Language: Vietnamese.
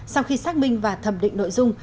sau khi xác minh và thẩm định nội dung